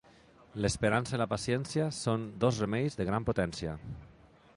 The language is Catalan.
L'esperança i la paciència són dos remeis de gran potència.